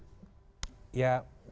sebelum kita break mas eko jawab singkat dulu